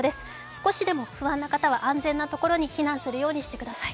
少しでも不安な方は安全なところに避難するようにしてください。